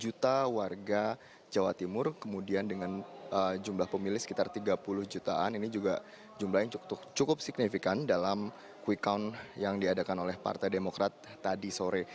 dua puluh juta warga jawa timur kemudian dengan jumlah pemilih sekitar tiga puluh jutaan ini juga jumlah yang cukup signifikan dalam quick count yang diadakan oleh partai demokrat tadi sore